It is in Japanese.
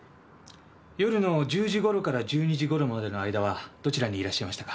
夜の１０時頃から１２時頃までの間はどちらにいらっしゃいましたか？